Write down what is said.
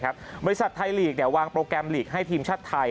บริษัทไทยลีกวางโปรแกรมลีกให้ทีมชาติไทย